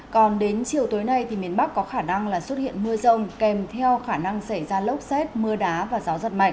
còn đến chiều tối nay thì miền bắc có khả năng là xuất hiện mưa rông kèm theo khả năng xảy ra lốc xét mưa đá và gió giật mạnh